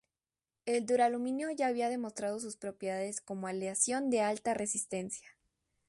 El duraluminio ya había demostrado sus propiedades como aleación de alta resistencia.